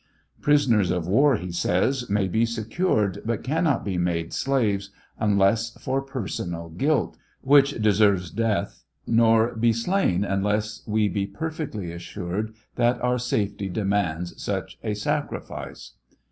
''Prisoners of war," he says, "may be secured but cannot be made ■ slaves unless for personal guilt which deserves death, nor be slain' unless we be perfectly assured that our safety demands such a sacrifice."